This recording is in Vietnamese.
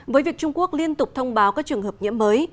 với việc trung quốc liên tục thông báo các trường hợp nhiễm mới